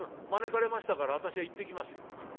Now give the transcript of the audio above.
招かれましたから私は行ってきますよ。